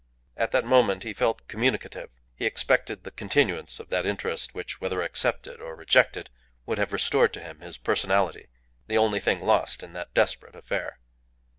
At that moment he felt communicative. He expected the continuance of that interest which, whether accepted or rejected, would have restored to him his personality the only thing lost in that desperate affair.